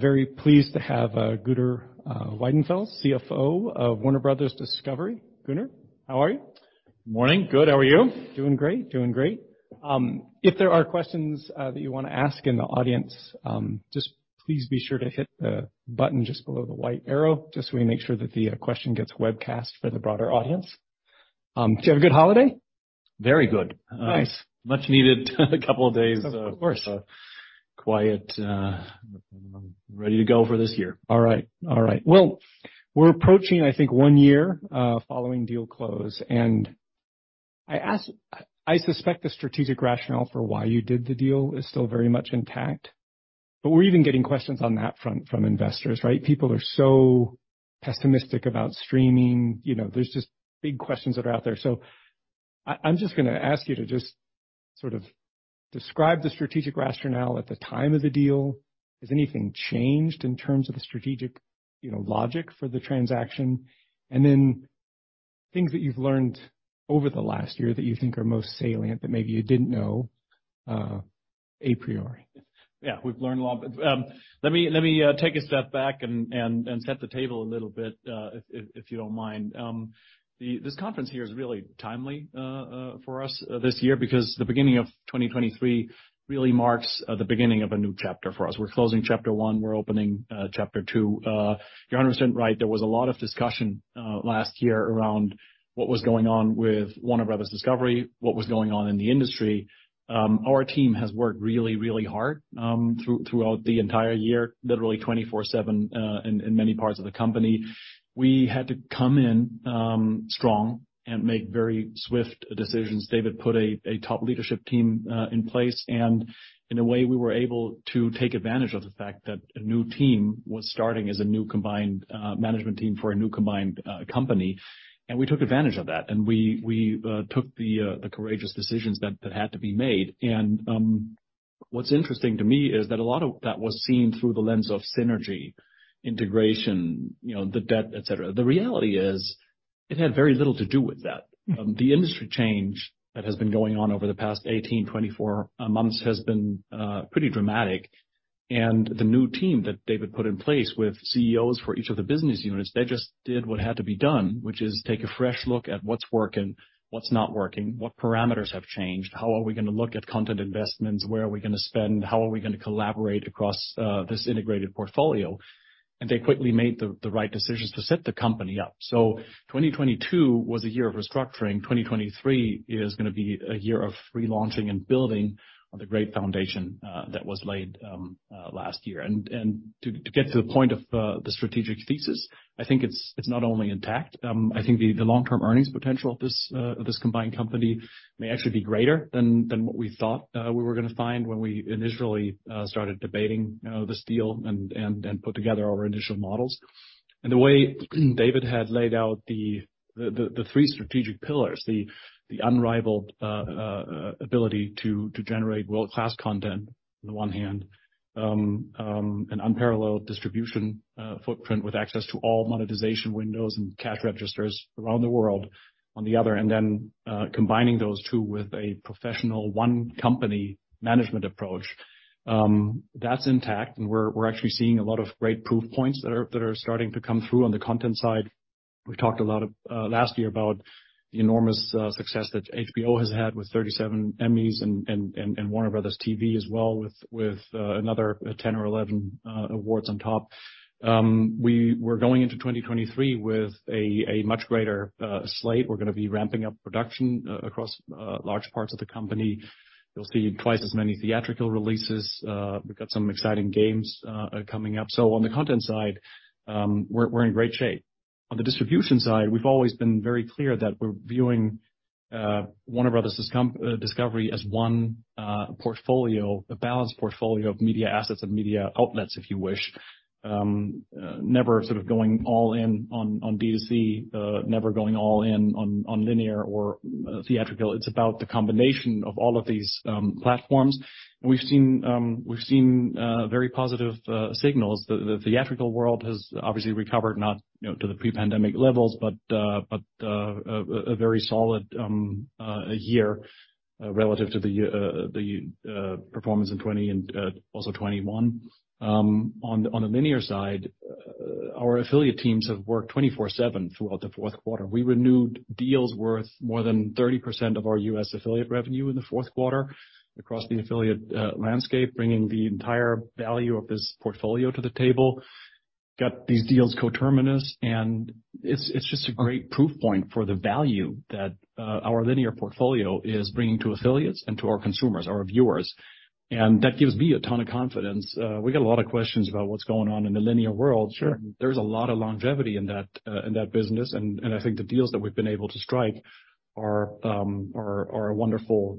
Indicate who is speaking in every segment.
Speaker 1: Very pleased to have, Gunnar Wiedenfels, CFO of Warner Bros. Discovery. Gunnar, how are you?
Speaker 2: Morning. Good. How are you?
Speaker 1: Doing great. Doing great. If there are questions that you wanna ask in the audience, just please be sure to hit the button just below the white arrow, just so we make sure that the question gets webcast for the broader audience. Did you have a good holiday?
Speaker 2: Very good.
Speaker 1: Nice.
Speaker 2: Much needed a couple of days.
Speaker 1: Of course.
Speaker 2: quiet. ready to go for this year.
Speaker 1: All right. All right. Well, we're approaching, I think, one year following deal close. I suspect the strategic rationale for why you did the deal is still very much intact, but we're even getting questions on that front from investors, right? People are so pessimistic about streaming, you know. There's just big questions that are out there. I'm just gonna ask you to just sort of describe the strategic rationale at the time of the deal. Has anything changed in terms of the strategic, you know, logic for the transaction? Then things that you've learned over the last year that you think are most salient that maybe you didn't know a priori.
Speaker 2: Yeah, we've learned a lot. Let me take a step back and set the table a little bit if you don't mind. This conference here is really timely for us this year because the beginning of 2023 really marks the beginning of a new chapter for us. We're closing chapter one. We're opening chapter two. Your understanding right, there was a lot of discussion last year around what was going on with Warner Bros. Discovery, what was going on in the industry. Our team has worked really, really hard throughout the entire year, literally 24/7, in many parts of the company. We had to come in strong and make very swift decisions. David put a top leadership team in place. In a way, we were able to take advantage of the fact that a new team was starting as a new combined management team for a new combined company. We took advantage of that. We took the courageous decisions that had to be made. What's interesting to me is that a lot of that was seen through the lens of synergy, integration, you know, the debt, et cetera. The reality is it had very little to do with that. The industry change that has been going on over the past 18, 24 months has been pretty dramatic. The new team that David put in place with CEOs for each of the business units, they just did what had to be done, which is take a fresh look at what's working, what's not working, what parameters have changed, how are we gonna look at content investments, where are we gonna spend, how are we gonna collaborate across this integrated portfolio. They quickly made the right decisions to set the company up. 2022 was a year of restructuring. 2023 is gonna be a year of relaunching and building on the great foundation that was laid last year. To get to the point of the strategic thesis, I think it's not only intact, I think the long-term earnings potential of this combined company may actually be greater than what we thought we were gonna find when we initially started debating this deal and put together our initial models. The way David had laid out the three strategic pillars, the unrivaled ability to generate world-class content on the one hand, an unparalleled distribution footprint with access to all monetization windows and cash registers around the world on the other, and then combining those two with a professional one company management approach. That's intact, and we're actually seeing a lot of great proof points that are starting to come through on the content side. We talked a lot last year about the enormous success that HBO has had with 37 Emmys and Warner Bros. Television as well with another 10 or 11 awards on top. We were going into 2023 with a much greater slate. We're gonna be ramping up production across large parts of the company. You'll see twice as many theatrical releases. We've got some exciting games coming up. On the content side, we're in great shape. On the distribution side, we've always been very clear that we're viewing Warner Bros. Discovery as one portfolio, a balanced portfolio of media assets of media outlets, if you wish. Never sort of going all in on D2C, never going all in on linear or theatrical. It's about the combination of all of these platforms. We've seen very positive signals. The theatrical world has obviously recovered, not, you know, to the pre-pandemic levels, but a very solid year relative to the performance in 2020 and also 2021. On the linear side, our affiliate teams have worked 24/7 throughout the fourth quarter. We renewed deals worth more than 30% of our U.S. affiliate revenue in the fourth quarter across the affiliate landscape, bringing the entire value of this portfolio to the table. Got these deals co-terminus, and it's just a great proof point for the value that our linear portfolio is bringing to affiliates and to our consumers, our viewers. That gives me a ton of confidence. We get a lot of questions about what's going on in the linear world.
Speaker 1: Sure.
Speaker 2: There's a lot of longevity in that in that business. I think the deals that we've been able to strike are a wonderful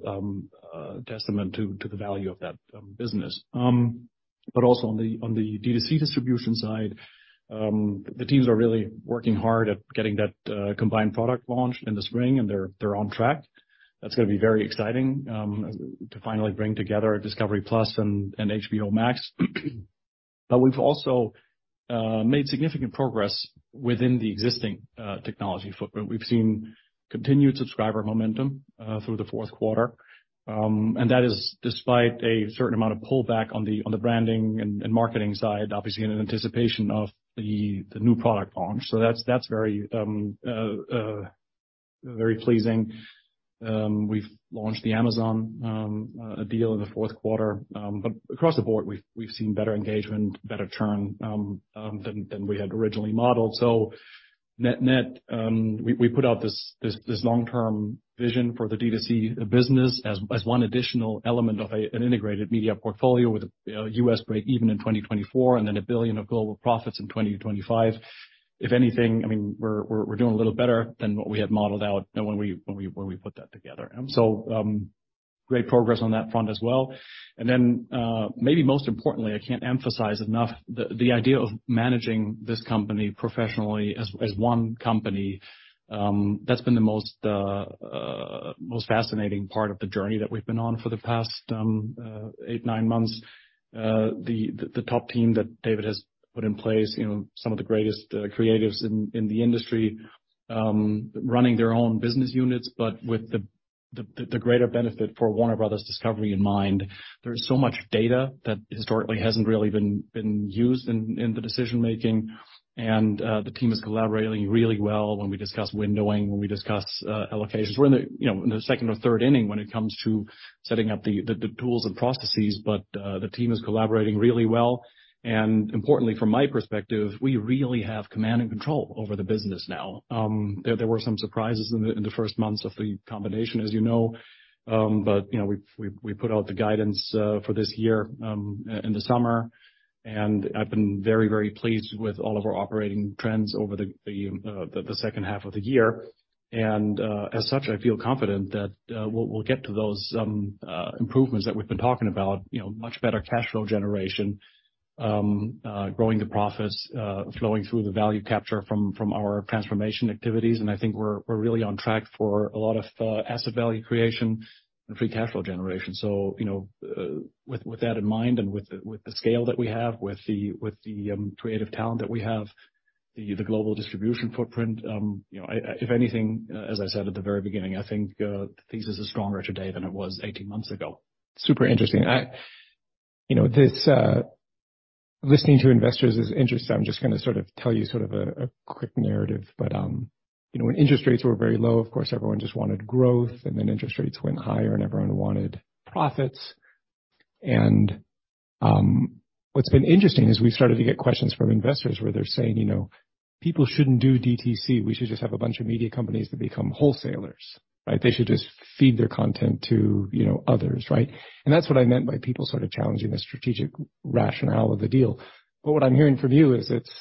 Speaker 2: testament to the value of that business. Also on the D2C distribution side, the teams are really working hard at getting that combined product launched in the spring, and they're on track. That's gonna be very exciting to finally bring together Discovery+ and HBO Max. We've also made significant progress within the existing technology footprint. We've seen continued subscriber momentum through the fourth quarter. That is despite a certain amount of pullback on the branding and marketing side, obviously in anticipation of the new product launch. That's very pleasing. We've launched the Amazon deal in the fourth quarter. Across the board, we've seen better engagement, better churn than we had originally modeled. Net, net, we put out this long-term vision for the D2C business as one additional element of an integrated media portfolio with a US breakeven in 2024 and $1 billion of global profits in 2025. If anything, I mean, we're, we're doing a little better than what we had modeled out when we, when we, when we put that together. Great progress on that front as well. Maybe most importantly, I can't emphasize enough the idea of managing this company professionally as one company, that's been the most fascinating part of the journey that we've been on for the past 8, 9 months. The top team that David has put in place, you know, some of the greatest creatives in the industry, running their own business units, but with the greater benefit for Warner Bros. Discovery in mind. There's so much data that historically hasn't really been used in the decision-making. The team is collaborating really well when we discuss windowing, when we discuss allocations. We're in the, you know, in the second or third inning when it comes to setting up the tools and processes, but the team is collaborating really well. Importantly, from my perspective, we really have command and control over the business now. There were some surprises in the first months of the combination, as you know. You know, we put out the guidance for this year in the summer, and I've been very, very pleased with all of our operating trends over the second half of the year. As such, I feel confident that we'll get to those improvements that we've been talking about, you know, much better cash flow generation, growing the profits, flowing through the value capture from our transformation activities. I think we're really on track for a lot of asset value creation and free cash flow generation. You know, with that in mind and with the scale that we have, with the creative talent that we have, the global distribution footprint, you know, if anything, as I said at the very beginning, I think the thesis is stronger today than it was 18 months ago.
Speaker 1: Super interesting. You know, this, listening to investors is interesting. I'm just gonna sort of tell you a quick narrative, but, you know, when interest rates were very low, of course, everyone just wanted growth, then interest rates went higher and everyone wanted profits. What's been interesting is we started to get questions from investors where they're saying, you know, "People shouldn't do DTC. We should just have a bunch of media companies that become wholesalers," right? They should just feed their content to, you know, others, right? That's what I meant by people sort of challenging the strategic rationale of the deal. What I'm hearing from you is it's,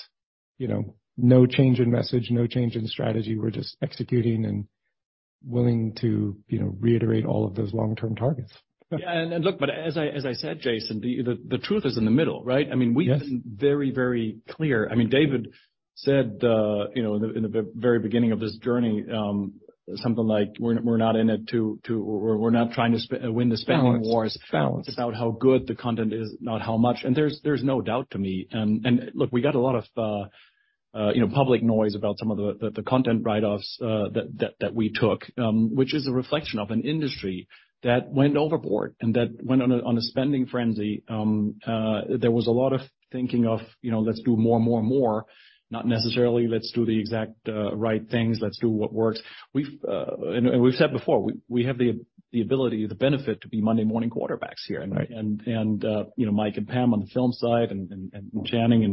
Speaker 1: you know, no change in message, no change in strategy. We're just executing and willing to, you know, reiterate all of those long-term targets.
Speaker 2: Yeah. Look, but as I said, Jason, the truth is in the middle, right?
Speaker 1: Yes.
Speaker 2: I mean, we've been very, very clear. I mean, David said, you know, in the, in the very beginning of this journey, something like we're not in it to win the spending wars.
Speaker 1: Balance, balance.
Speaker 2: It's about how good the content is, not how much. There's no doubt to me. Look, we got a lot of, you know, public noise about some of the content write-offs that we took, which is a reflection of an industry that went overboard and that went on a spending frenzy. There was a lot of thinking of, you know, let's do more, more, more, not necessarily let's do the exact right things, let's do what works. We've said before, we have the ability, the benefit to be Monday morning quarterbacks here.
Speaker 1: Right.
Speaker 2: You know, Mike and Pam on the film side, and Channing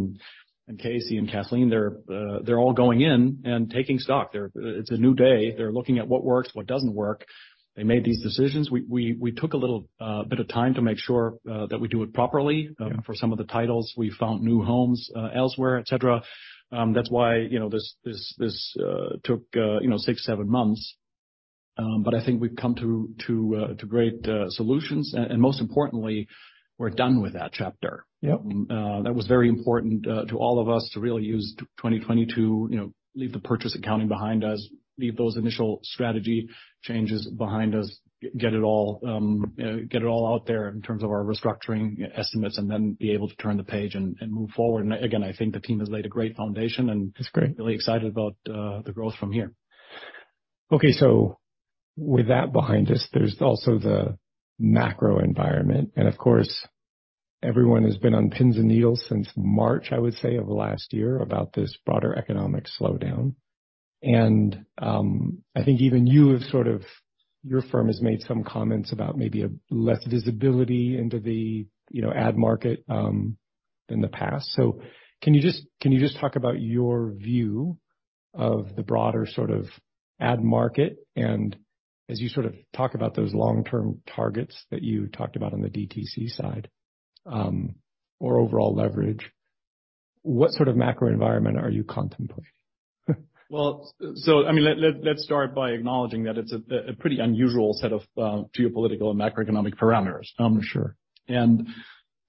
Speaker 2: and Casey and Kathleen, they're all going in and taking stock. It's a new day. They're looking at what works, what doesn't work. They made these decisions. We took a little bit of time to make sure that we do it properly.
Speaker 1: Yeah.
Speaker 2: For some of the titles, we found new homes, elsewhere, et cetera. That's why, you know, this took, you know, six, seven months. I think we've come to great solutions. Most importantly, we're done with that chapter.
Speaker 1: Yep.
Speaker 2: That was very important to all of us to really use 2022, you know, leave the purchase accounting behind us, leave those initial strategy changes behind us, get it all, get it all out there in terms of our restructuring estimates, then be able to turn the page and move forward. Again, I think the team has laid a great foundation.
Speaker 1: It's great.
Speaker 2: really excited about, the growth from here.
Speaker 1: Okay. With that behind us, there's also the macro environment. Of course, everyone has been on pins and needles since March, I would say, of last year about this broader economic slowdown. I think even you have your firm has made some comments about maybe a less visibility into the, you know, ad market than the past. Can you just talk about your view of the broader sort of ad market? As you sort of talk about those long-term targets that you talked about on the DTC side, or overall leverage, what sort of macro environment are you contemplating?
Speaker 2: I mean, let's start by acknowledging that it's a pretty unusual set of geopolitical and macroeconomic parameters.
Speaker 1: I'm sure.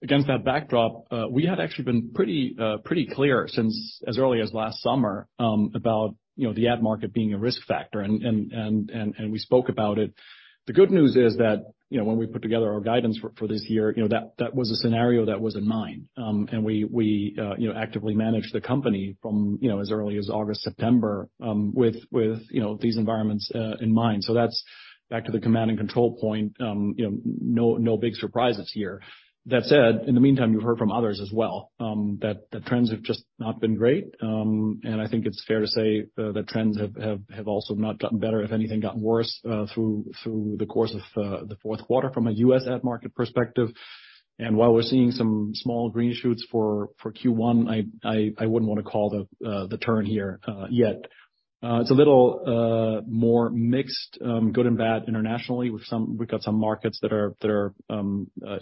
Speaker 2: Against that backdrop, we had actually been pretty clear since as early as last summer, about, you know, the ad market being a risk factor, and we spoke about it. The good news is that, you know, when we put together our guidance for this year, you know, that was a scenario that was in mind. We, we, you know, actively managed the company from, you know, as early as August, September, with, you know, these environments, in mind. That's back to the command and control point. You know, no big surprises here. That said, in the meantime, you've heard from others as well, that the trends have just not been great. I think it's fair to say that trends have also not gotten better, if anything, gotten worse through the course of the fourth quarter from a U.S. ad market perspective. While we're seeing some small green shoots for Q1, I wouldn't wanna call the turn here yet. It's a little more mixed, good and bad internationally with we've got some markets that are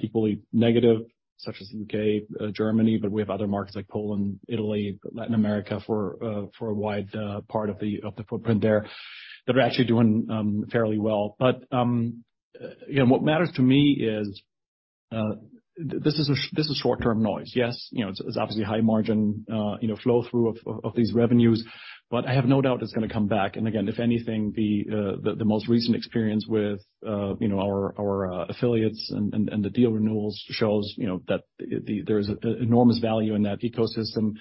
Speaker 2: equally negative, such as U.K., Germany, but we have other markets like Poland, Italy, Latin America, for a wide part of the footprint there that are actually doing fairly well. Again, what matters to me is this is short-term noise. Yes, you know, it's obviously high margin, you know, flow through of these revenues, but I have no doubt it's gonna come back. Again, if anything, the most recent experience with, you know, our affiliates and the deal renewals shows, you know, that there's enormous value in that ecosystem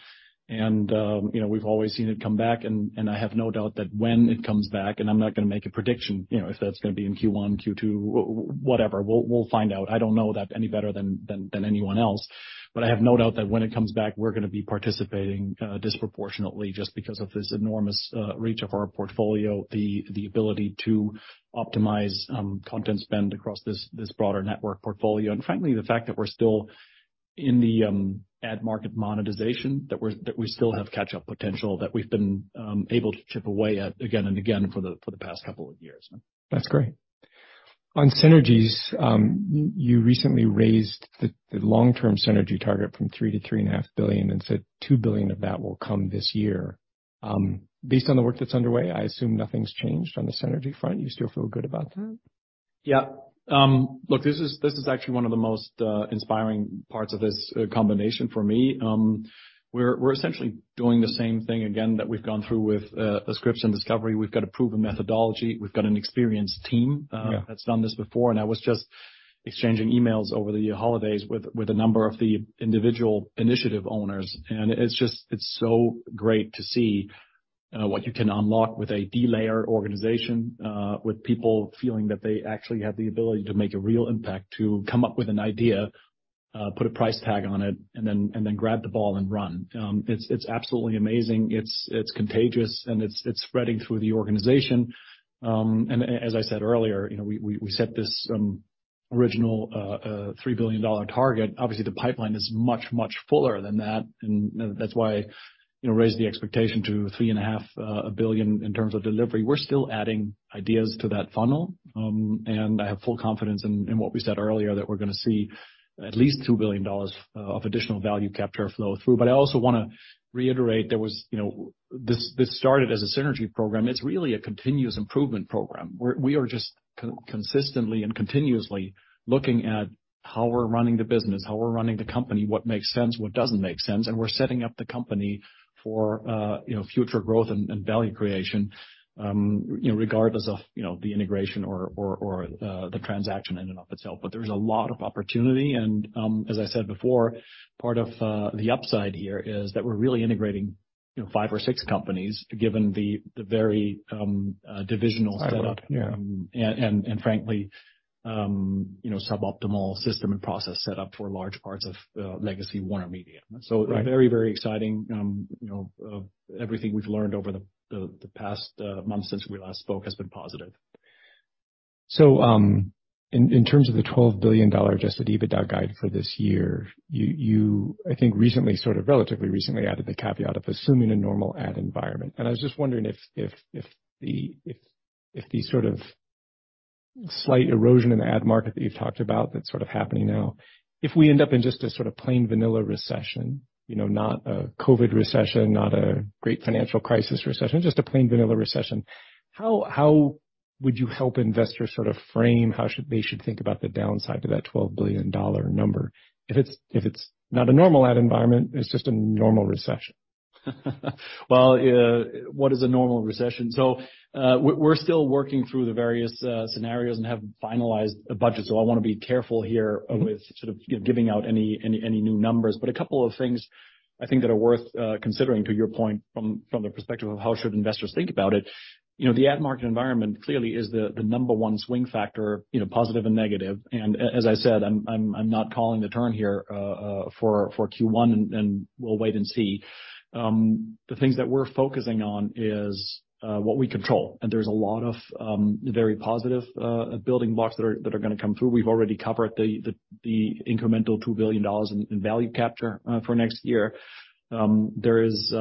Speaker 2: and, you know, we've always seen it come back and I have no doubt that when it comes back and I'm not gonna make a prediction, you know, if that's gonna be in Q1, Q2, whatever, we'll find out. I don't know that any better than anyone else. I have no doubt that when it comes back, we're gonna be participating disproportionately just because of this enormous reach of our portfolio, the ability to optimize content spend across this broader network portfolio. Frankly, the fact that we're still in the ad market monetization, that we still have catch-up potential, that we've been able to chip away at again and again for the past couple of years.
Speaker 1: That's great. On synergies, you recently raised the long-term synergy target from $3 billion- $3.5 billion, and you said $2 billion of that will come this year. Based on the work that's underway, I assume nothing's changed on the synergy front. You still feel good about that?
Speaker 2: Yeah. Look, this is actually one of the most inspiring parts of this combination for me. We're essentially doing the same thing again that we've gone through with Scripps and Discovery. We've got a proven methodology. We've got an experienced team.
Speaker 1: Yeah.
Speaker 2: That's done this before. I was just exchanging emails over the holidays with a number of the individual initiative owners, and it's just, it's so great to see, what you can unlock with a delayer organization, with people feeling that they actually have the ability to make a real impact, to come up with an idea, put a price tag on it, and then, and then grab the ball and run. It's, it's absolutely amazing. It's, it's contagious, and it's spreading through the organization. As I said earlier, you know, we, we set this original $3 billion target. Obviously, the pipeline is much, much fuller than that, and that's why, you know, raise the expectation to $3.5 billion in terms of delivery. We're still adding ideas to that funnel, and I have full confidence in what we said earlier that we're gonna see at least $2 billion of additional value capture flow through. I also wanna reiterate there was, you know. This started as a synergy program. It's really a continuous improvement program, where we are just consistently and continuously looking at how we're running the business, how we're running the company, what makes sense, what doesn't make sense, and we're setting up the company for, you know, future growth and value creation, you know, regardless of, you know, the integration or, the transaction in and of itself. There's a lot of opportunity and, as I said before, part of the upside here is that we're really integrating, you know, 5 or 6 companies, given the very divisional setup.
Speaker 1: Yeah.
Speaker 2: Frankly, you know, suboptimal system and process set up for large parts of legacy WarnerMedia.
Speaker 1: Right.
Speaker 2: Very, very exciting. you know, everything we've learned over the past months since we last spoke has been positive.
Speaker 1: In terms of the $12 billion Adjusted EBITDA guide for this year, you, I think, recently, relatively recently added the caveat of assuming a normal ad environment. I was just wondering if the slight erosion in the ad market that you've talked about that's happening now, if we end up in just a plain vanilla recession, you know, not a COVID recession, not a Great Financial Crisis recession, just a plain vanilla recession, how would you help investors frame how they should think about the downside to that $12 billion number if it's, if it's not a normal ad environment, it's just a normal recession?
Speaker 2: Well, what is a normal recession? We're still working through the various scenarios and have finalized a budget. I wanna be careful here.
Speaker 1: Mm-hmm.
Speaker 2: With sort of, you know, giving out any new numbers. A couple of things I think that are worth considering to your point from the perspective of how should investors think about it. You know, the ad market environment clearly is the number one swing factor, you know, positive and negative. As I said, I'm not calling the turn here for Q1 and we'll wait and see. The things that we're focusing on is what we control, and there's a lot of very positive building blocks that are gonna come through. We've already covered the incremental $2 billion in value capture for next year. There is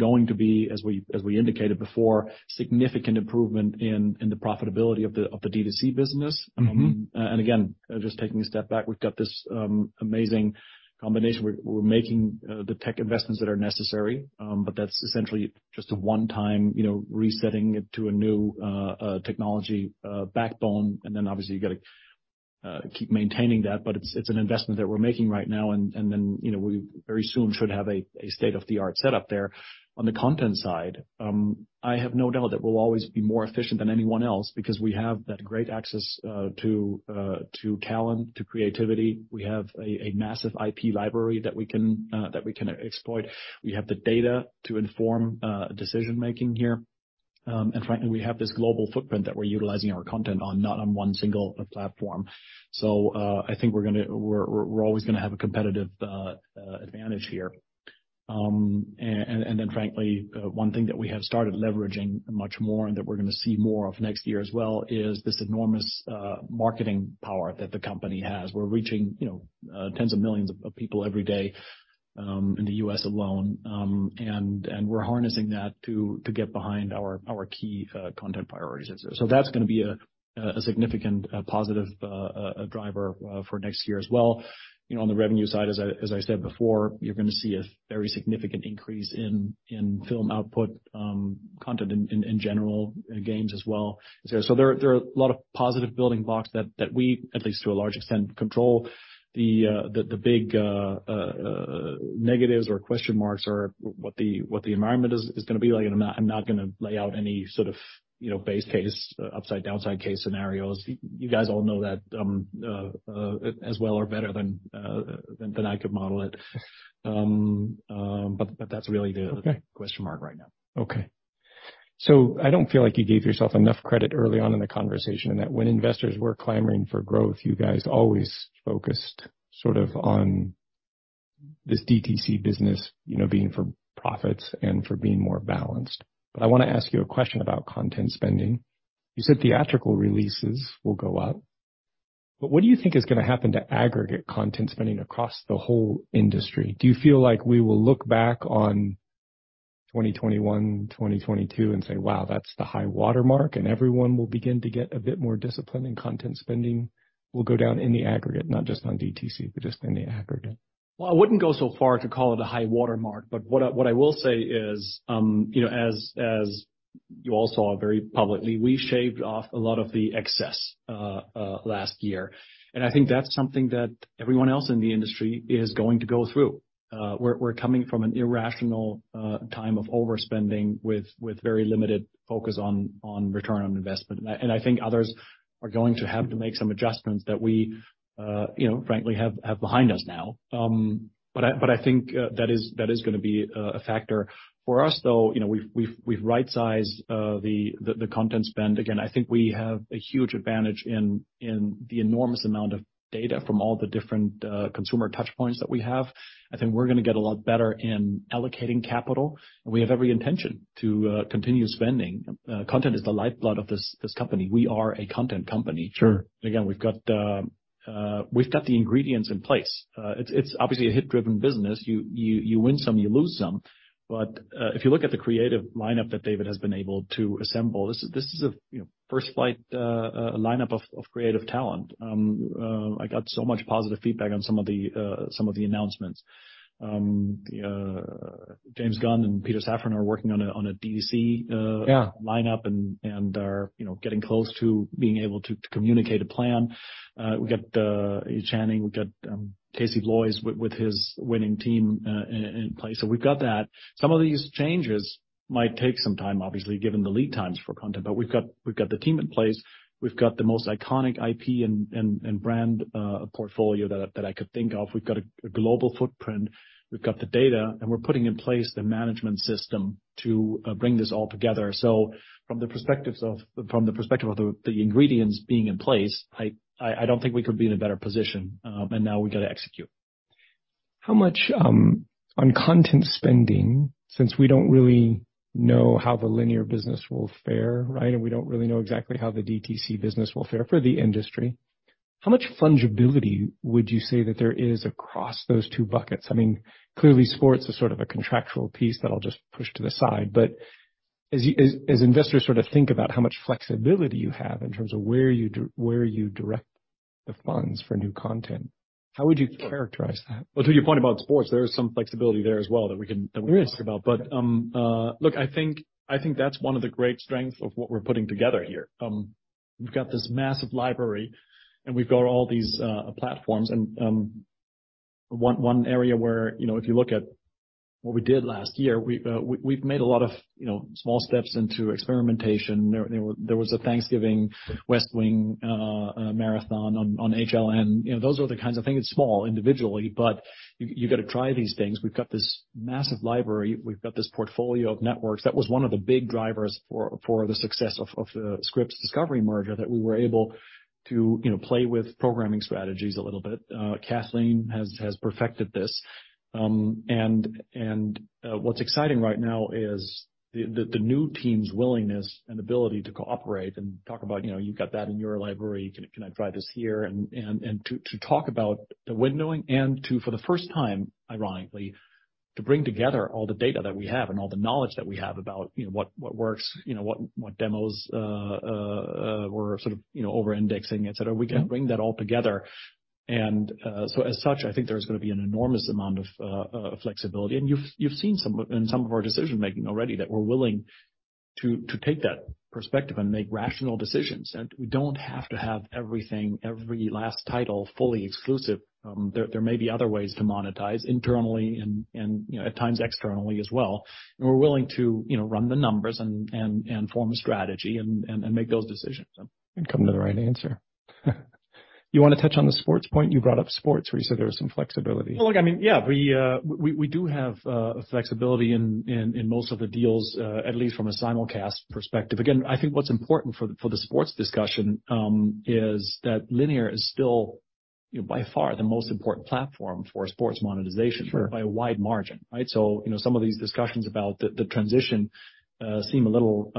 Speaker 2: going to be, as we indicated before, significant improvement in the profitability of the D2C business.
Speaker 1: Mm-hmm.
Speaker 2: Again, just taking a step back, we've got this amazing combination. We're making the tech investments that are necessary, but that's essentially just a one-time, you know, resetting it to a new technology backbone. Then obviously you gotta keep maintaining that, but it's an investment that we're making right now, and then, you know, we very soon should have a state-of-the-art setup there. On the content side, I have no doubt that we'll always be more efficient than anyone else because we have that great access to talent, to creativity. We have a massive IP library that we can that we can exploit. We have the data to inform decision-making here. Frankly, we have this global footprint that we're utilizing our content on, not on one single platform. I think we're always gonna have a competitive advantage here. Frankly, one thing that we have started leveraging much more and that we're gonna see more of next year as well is this enormous marketing power that the company has. We're reaching, you know, tens of millions of people every day in the U.S. alone. We're harnessing that to get behind our key content priorities. That's gonna be a significant positive driver for next year as well. You know, on the revenue side, as I said before, you're gonna see a very significant increase in film output, content in general, in games as well. There are a lot of positive building blocks that we at least to a large extent control. The big negatives or question marks are what the environment is gonna be like. I'm not gonna lay out any sort of, you know, base case, upside, downside case scenarios. You guys all know that as well or better than I could model it. But that's really.
Speaker 1: Okay.
Speaker 2: question mark right now.
Speaker 1: I don't feel like you gave yourself enough credit early on in the conversation that when investors were clamoring for growth, you guys always focused sort of on this DTC business, you know, being for profits and for being more balanced. I wanna ask you a question about content spending. You said theatrical releases will go up, but what do you think is gonna happen to aggregate content spending across the whole industry? Do you feel like we will look back on 2021, 2022 and say, "Wow, that's the high watermark," and everyone will begin to get a bit more disciplined, and content spending will go down in the aggregate, not just on DTC, but just in the aggregate?
Speaker 2: I wouldn't go so far to call it a high watermark, but what I will say is, you know, as you all saw very publicly, we shaved off a lot of the excess last year. I think that's something that everyone else in the industry is going to go through. We're coming from an irrational time of overspending with very limited focus on return on investment. I think others are going to have to make some adjustments that we, you know, frankly, have behind us now. I think that is gonna be a factor. For us though, you know, we've rightsized the content spend. I think we have a huge advantage in the enormous amount of data from all the different consumer touchpoints that we have. I think we're gonna get a lot better in allocating capital, and we have every intention to continue spending. Content is the lifeblood of this company. We are a content company.
Speaker 1: Sure.
Speaker 2: We've got the ingredients in place. It's obviously a hit-driven business. You win some, you lose some. If you look at the creative lineup that David has been able to assemble, this is a, you know, first-flight lineup of creative talent. I got so much positive feedback on some of the announcements. James Gunn and Peter Safran are working on a DC.
Speaker 1: Yeah.
Speaker 2: lineup and are, you know, getting close to being able to communicate a plan. We got Channing, we've got Casey Bloys with his winning team in place. We've got that. Some of these changes might take some time, obviously, given the lead times for content, but we've got the team in place. We've got the most iconic IP and brand portfolio that I could think of. We've got a global footprint. We've got the data, and we're putting in place the management system to bring this all together. From the perspective of the ingredients being in place, I don't think we could be in a better position. Now we've got to execute.
Speaker 1: How much on content spending, since we don't really know how the linear business will fare, right? We don't really know exactly how the DTC business will fare for the industry. How much fungibility would you say that there is across those two buckets? I mean, clearly, sports is sort of a contractual piece that I'll just push to the side. As investors sort of think about how much flexibility you have in terms of where you direct the funds for new content, how would you characterize that?
Speaker 2: Well, to your point about sports, there is some flexibility there as well that we.
Speaker 1: There is.
Speaker 2: that we can talk about. Look, I think that's one of the great strengths of what we're putting together here. We've got this massive library, and we've got all these platforms. One area where, you know, if you look at what we did last year, we've made a lot of, you know, small steps into experimentation. There was a Thanksgiving West Wing marathon on HLN. You know, those are the kinds of things. It's small individually, but you got to try these things. We've got this massive library. We've got this portfolio of networks. That was one of the big drivers for the success of the Scripps Discovery merger that we were able to, you know, play with programming strategies a little bit. Kathleen has perfected this. What's exciting right now is the new team's willingness and ability to cooperate and talk about, you know, you've got that in your library. Can I try this here? To talk about the windowing and to, for the first time, ironically, to bring together all the data that we have and all the knowledge that we have about, you know, what works, you know, what demos, were sort of, you know, over-indexing, et cetera. We can bring that all together. So as such, I think there's gonna be an enormous amount of flexibility. You've seen some in some of our decision-making already that we're willing to take that perspective and make rational decisions. We don't have to have everything, every last title fully exclusive. There may be other ways to monetize internally and, you know, at times externally as well. We're willing to, you know, run the numbers and form a strategy and make those decisions.
Speaker 1: Come to the right answer. You wanna touch on the sports point? You brought up sports where you said there was some flexibility.
Speaker 2: Well, look, I mean, yeah, we do have flexibility in most of the deals, at least from a simulcast perspective. Again, I think what's important for the sports discussion is that linear is still, you know, by far the most important platform for sports monetization.
Speaker 1: Sure.
Speaker 2: By a wide margin, right? You know, some of these discussions about the transition seem a little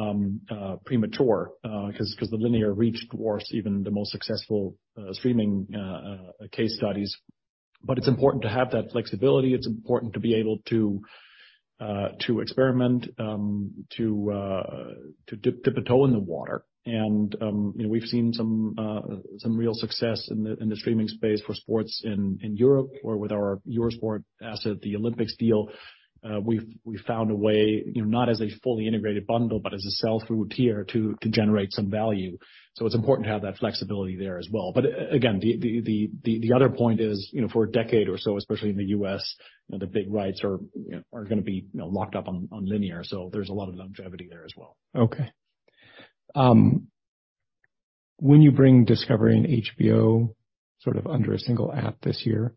Speaker 2: premature 'cause the linear reach dwarfs even the most successful streaming case studies. It's important to have that flexibility. It's important to be able to experiment, to dip a toe in the water. You know, we've seen some real success in the streaming space for sports in Europe or with our Eurosport asset, the Olympics deal. We've found a way, you know, not as a fully integrated bundle, but as a sell-through tier to generate some value. It's important to have that flexibility there as well. Again, the other point is, you know, for a decade or so, especially in the U.S., you know, the big rights are, you know, are gonna be, you know, locked up on linear. There's a lot of longevity there as well.
Speaker 1: Okay. When you bring Discovery and HBO sort of under a single app this year,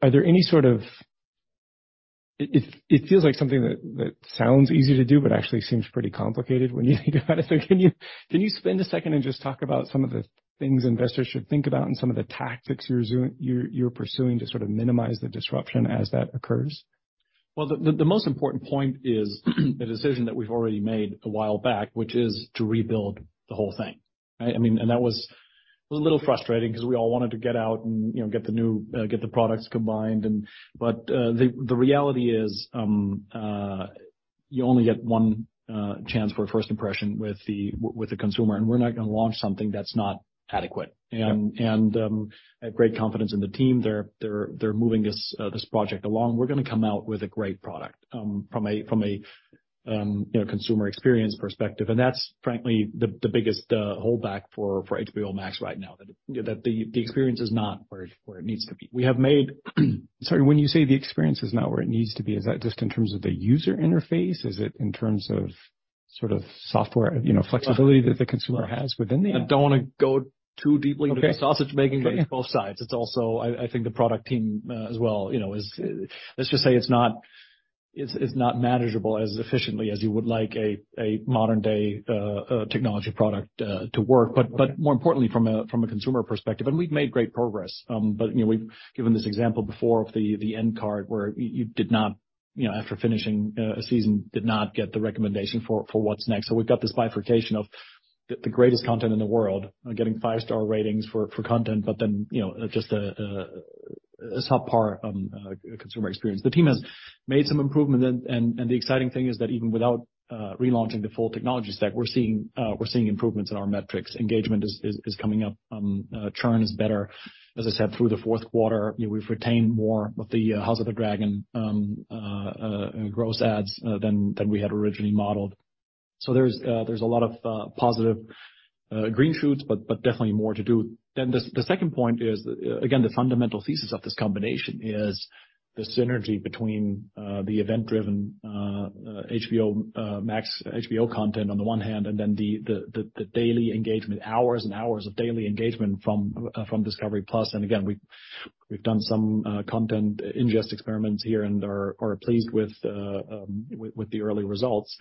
Speaker 1: Are there any sort of? It feels like something that sounds easy to do, but actually seems pretty complicated when you think about it. Can you spend a second and just talk about some of the things investors should think about and some of the tactics you're pursuing to sort of minimize the disruption as that occurs?
Speaker 2: Well, the most important point is the decision that we've already made a while back, which is to rebuild the whole thing, right? I mean, that was a little frustrating 'cause we all wanted to get out and, you know, get the products combined and. The reality is, you only get one chance for a first impression with the consumer, and we're not gonna launch something that's not adequate.
Speaker 1: Yep.
Speaker 2: I have great confidence in the team. They're moving this project along. We're gonna come out with a great product, from a, you know, consumer experience perspective. That's frankly the biggest holdback for HBO Max right now, that the experience is not where it needs to be. We have made.
Speaker 1: Sorry. When you say the experience is not where it needs to be, is that just in terms of the user interface? Is it in terms of sort of software, you know, flexibility that the consumer has within the app?
Speaker 2: I don't wanna go too deeply.
Speaker 1: Okay.
Speaker 2: Into the sausage making on both sides. It's also, I think the product team as well, you know, let's just say it's not, it's not manageable as efficiently as you would like a modern-day technology product to work. More importantly, from a consumer perspective, and we've made great progress. But, you know, we've given this example before of the end card, where you did not, you know, after finishing a season, did not get the recommendation for what's next. We've got this bifurcation of the greatest content in the world, getting 5-star ratings for content, but then, you know, just a subpar consumer experience. The team has made some improvement and the exciting thing is that even without relaunching the full technology stack, we're seeing improvements in our metrics. Engagement is coming up. Churn is better. As I said, through the fourth quarter, you know, we've retained more of the House of the Dragon gross ads than we had originally modeled. There's a lot of positive green shoots, but definitely more to do. The second point is, again, the fundamental thesis of this combination is the synergy between the event-driven HBO Max, HBO content on the one hand, and the daily engagement, hours and hours of daily engagement from Discovery+. Again, we've done some content ingest experiments here and are pleased with the early results.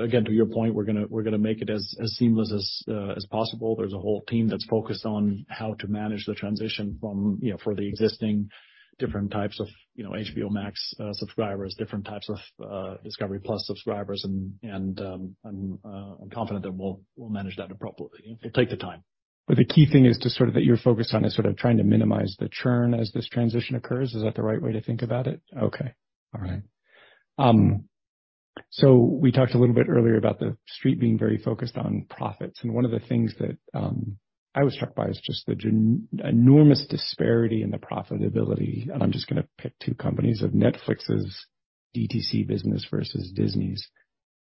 Speaker 2: Again, to your point, we're gonna make it as seamless as possible. There's a whole team that's focused on how to manage the transition from, you know, for the existing different types of, you know, HBO Max subscribers, different types of Discovery+ subscribers, and I'm confident that we'll manage that appropriately. It'll take the time.
Speaker 1: The key thing is that you're focused on is sort of trying to minimize the churn as this transition occurs. Is that the right way to think about it? Okay. All right. We talked a little bit earlier about the street being very focused on profits, and one of the things that I was struck by is just the enormous disparity in the profitability, and I'm just gonna pick two companies, of Netflix's DTC business versus Disney's.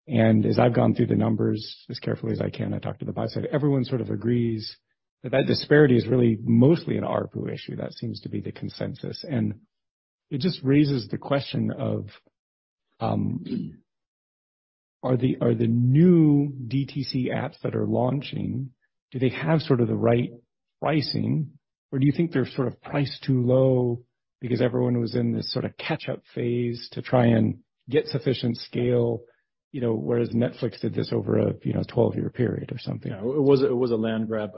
Speaker 1: As I've gone through the numbers as carefully as I can, I talked to the buy side, everyone sort of agrees that that disparity is really mostly an ARPU issue. That seems to be the consensus. It just raises the question of, are the new DTC apps that are launching, do they have sort of the right pricing, or do you think they're sort of priced too low because everyone was in this sorta catch-up phase to try and get sufficient scale? You know, whereas Netflix did this over a, you know, 12-year period or something.
Speaker 2: Yeah, it was, it was a land grab.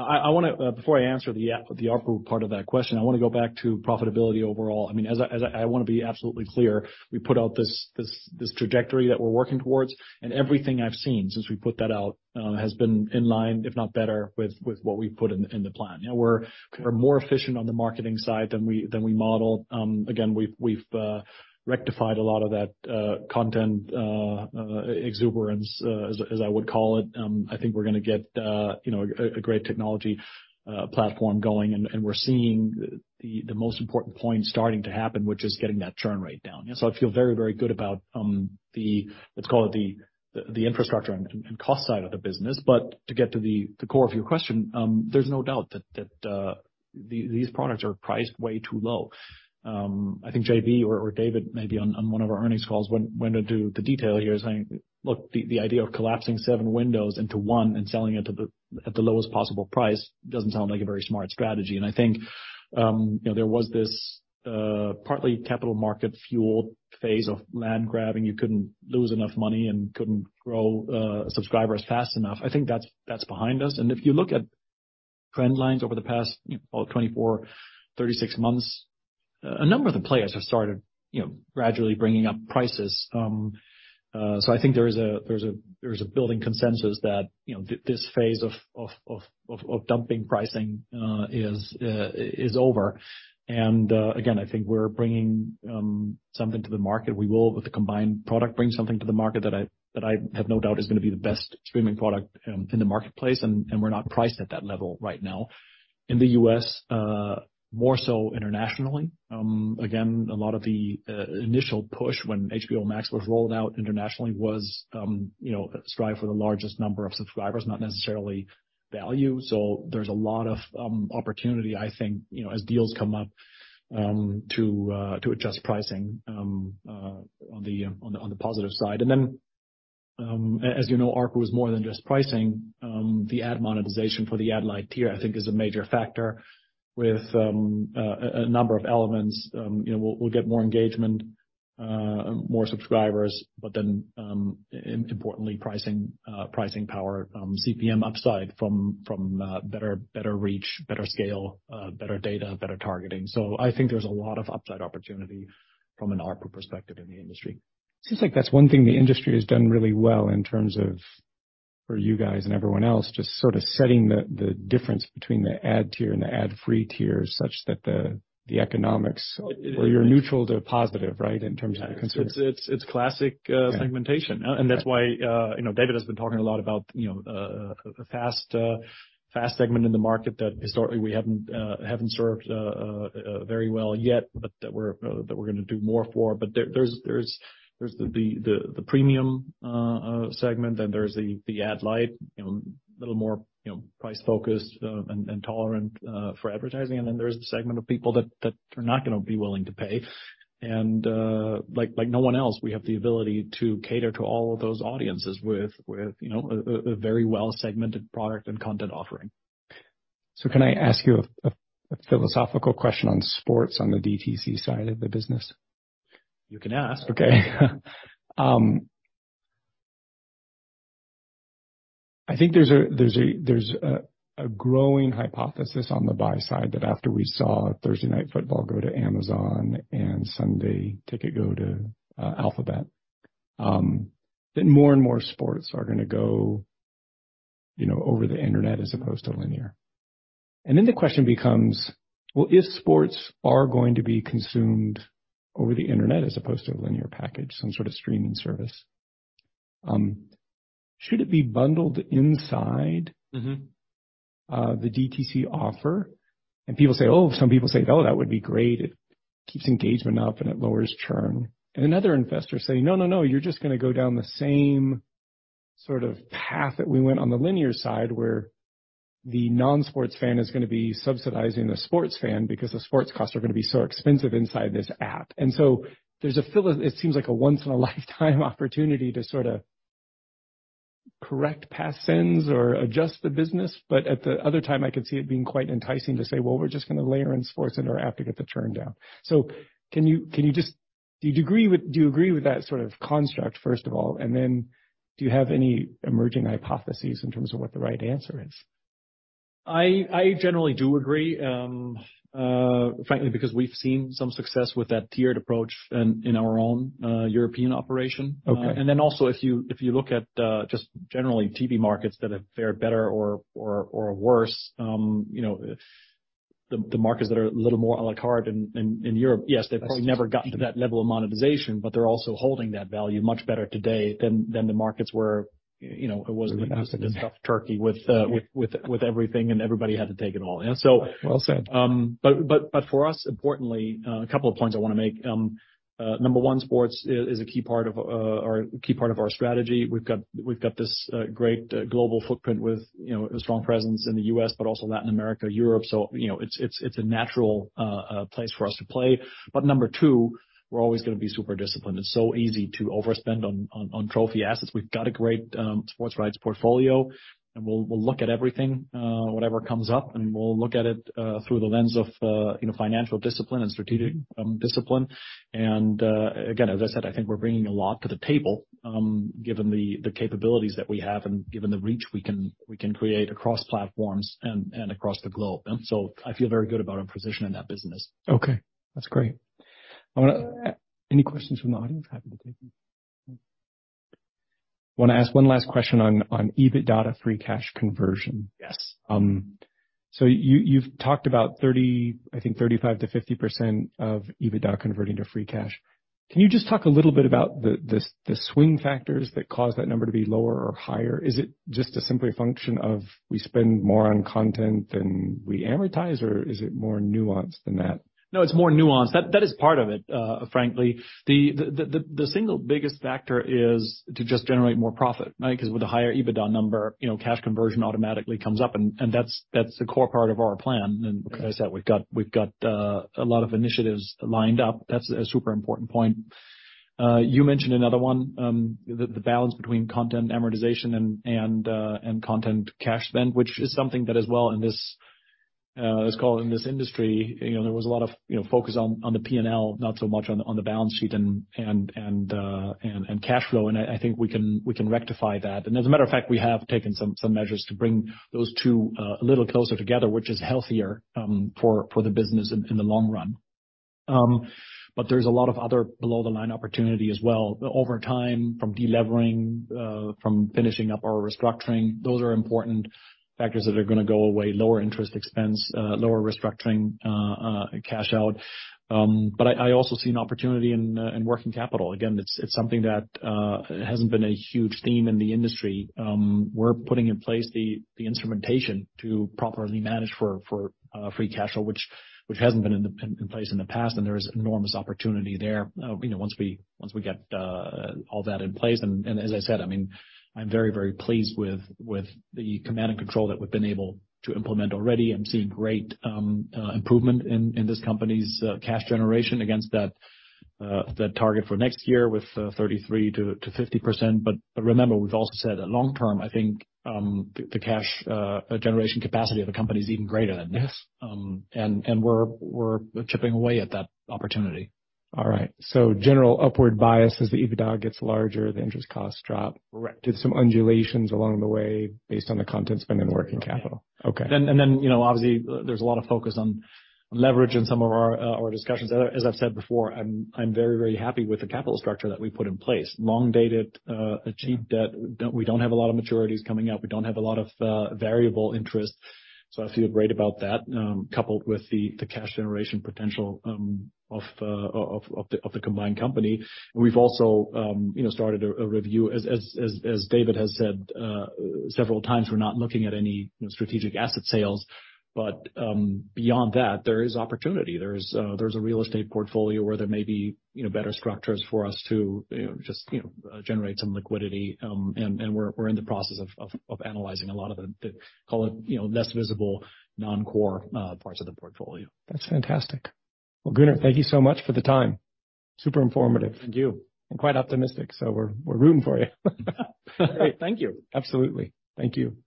Speaker 2: I wanna, before I answer the ARPU part of that question, I wanna go back to profitability overall. I mean, I wanna be absolutely clear, we put out this trajectory that we're working towards, and everything I've seen since we put that out, has been in line, if not better, with what we've put in the plan. You know, we're more efficient on the marketing side than we modeled. Again, we've rectified a lot of that content exuberance, as I would call it. I think we're gonna get, you know, a great technology platform going, and we're seeing the most important point starting to happen, which is getting that churn rate down. I feel very, very good about the, let's call it the infrastructure and cost side of the business. To get to the core of your question, there's no doubt that these products are priced way too low. I think JB or David maybe on one of our earnings calls went into the detail here saying, look, the idea of collapsing seven windows into one and selling it at the lowest possible price doesn't sound like a very smart strategy. I think, you know, there was this partly capital market fueled phase of land grabbing. You couldn't lose enough money and couldn't grow subscribers fast enough. I think that's behind us. If you look at trend lines over the past, you know, 24, 36 months, a number of the players have started, you know, gradually bringing up prices. So I think there's a, there's a, there's a building consensus that, you know, this phase of dumping pricing is over. Again, I think we're bringing something to the market. We will, with the combined product, bring something to the market that I, that I have no doubt is gonna be the best streaming product in the marketplace, and we're not priced at that level right now. In the U.S., more so internationally, again, a lot of the initial push when HBO Max was rolled out internationally was, you know, strive for the largest number of subscribers, not necessarily value. There's a lot of opportunity, I think, you know, as deals come up, to adjust pricing on the positive side. As you know, ARPU is more than just pricing. The ad monetization for the ad-lite tier, I think is a major factor with a number of elements. You know, we'll get more engagement, more subscribers, but then, importantly, pricing power, CPM upside from better reach, better scale, better data, better targeting. I think there's a lot of upside opportunity from an ARPU perspective in the industry.
Speaker 1: Seems like that's one thing the industry has done really well in terms of for you guys and everyone else, just sort of setting the difference between the ad tier and the ad-free tier such that the economics where you're neutral to positive, right, in terms of the consumer.
Speaker 2: It's classic segmentation. That's why, you know, David has been talking a lot about, you know, a FAST segment in the market that historically we haven't served very well yet, but that we're, that we're gonna do more for. But there's the Premium segment, then there's the Ad-Lite, you know, little more, you know, price-focused, and tolerant for advertising. Then there's the segment of people that are not gonna be willing to pay. Like no one else, we have the ability to cater to all of those audiences with, you know, a very well segmented product and content offering.
Speaker 1: Can I ask you a philosophical question on sports on the DTC side of the business?
Speaker 2: You can ask.
Speaker 1: Okay. I think there's a growing hypothesis on the buy side that after we saw Thursday Night Football go to Amazon and Sunday Ticket go to Alphabet, that more and more sports are gonna go, you know, over the Internet as opposed to linear. The question becomes, well, if sports are going to be consumed over the Internet as opposed to a linear package, some sort of streaming service, should it be bundled inside-
Speaker 2: Mm-hmm.
Speaker 1: the DTC offer? People say, some people say, "Oh, that would be great. It keeps engagement up, and it lowers churn." Another investor say, "No, no, you're just gonna go down the same sort of path that we went on the linear side, where the non-sports fan is gonna be subsidizing the sports fan because the sports costs are gonna be so expensive inside this app." There's a feel of it seems like a once in a lifetime opportunity to sorta correct past sins or adjust the business. At the other time, I could see it being quite enticing to say, "Well, we're just gonna layer in sports in our app to get the churn down." Can you just... Do you agree with that sort of construct, first of all? Do you have any emerging hypotheses in terms of what the right answer is?
Speaker 2: I generally do agree, frankly, because we've seen some success with that tiered approach in our own European operation.
Speaker 1: Okay.
Speaker 2: Also, if you look at, just generally TV markets that have fared better or worse, you know, the markets that are a little more a la carte in Europe, yes, they've probably never gotten to that level of monetization, but they're also holding that value much better today than the markets where, you know, it was the stuffed turkey with everything, and everybody had to take it all. Yeah.
Speaker 1: Well said.
Speaker 2: For us, importantly, a couple of points I wanna make. Number one, sports is a key part of our strategy. We've got this great global footprint with, you know, a strong presence in the U.S., but also Latin America, Europe. You know, it's a natural place for us to play. Number two, we're always gonna be super disciplined. It's so easy to overspend on trophy assets. We've got a great sports rights portfolio, and we'll look at everything, whatever comes up, and we'll look at it through the lens of, you know, financial discipline and strategic discipline. again, as I said, I think we're bringing a lot to the table, given the capabilities that we have and given the reach we can create across platforms and across the globe. I feel very good about our position in that business.
Speaker 1: Okay, that's great. Any questions from the audience? Happy to take them. Want to ask one last question on EBITDA free cash conversion.
Speaker 2: Yes.
Speaker 1: You, you've talked about 35%-50% of EBITDA converting to free cash. Can you just talk a little bit about the swing factors that cause that number to be lower or higher? Is it just a simply function of we spend more on content than we amortize, or is it more nuanced than that?
Speaker 2: No, it's more nuanced. That is part of it, frankly. The single biggest factor is to just generate more profit, right? 'Cause with the higher EBITDA number, you know, cash conversion automatically comes up, and that's the core part of our plan. Like I said, we've got a lot of initiatives lined up. That's a super important point. You mentioned another one, the balance between content amortization and content cash spend, which is something that as well in this, let's call it, in this industry, you know, there was a lot of, you know, focus on the P&L, not so much on the balance sheet and cash flow. I think we can rectify that. As a matter of fact, we have taken some measures to bring those two a little closer together, which is healthier for the business in the long run. There's a lot of other below the line opportunity as well over time from delevering, from finishing up our restructuring. Those are important factors that are gonna go away, lower interest expense, lower restructuring, cash out. I also see an opportunity in working capital. Again, it's something that hasn't been a huge theme in the industry. We're putting in place the instrumentation to properly manage for free cash flow, which hasn't been in place in the past, and there is enormous opportunity there. You know, once we, once we get all that in place, as I said, I mean, I'm very, very pleased with the command and control that we've been able to implement already. I'm seeing great improvement in this company's cash generation against that target for next year with 33%-50%. Remember, we've also said long term, I think, the cash generation capacity of the company is even greater than this and we're chipping away at that opportunity.
Speaker 1: All right. General upward bias as the EBITDA gets larger, the interest costs drop.
Speaker 2: Correct.
Speaker 1: Did some undulations along the way based on the content spend and working capital.
Speaker 2: Yeah.
Speaker 1: Okay.
Speaker 2: Then, you know, obviously there's a lot of focus on leverage in some of our discussions. As I've said before, I'm very, very happy with the capital structure that we put in place. Long dated, cheap debt. We don't have a lot of maturities coming up. We don't have a lot of variable interest, so I feel great about that, coupled with the cash generation potential of the combined company. We've also, you know, started a review. As David has said several times, we're not looking at any strategic asset sales. Beyond that, there is opportunity. There's a real estate portfolio where there may be, you know, better structures for us to, you know, just, you know, generate some liquidity. We're in the process of analyzing a lot of the, call it, you know, less visible non-core, parts of the portfolio.
Speaker 1: That's fantastic. Well, Gunnar, thank you so much for the time. Super informative.
Speaker 2: Thank you.
Speaker 1: Quite optimistic, so we're rooting for you.
Speaker 2: Great. Thank you.
Speaker 1: Absolutely. Thank you.